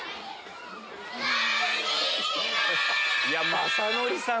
雅紀さん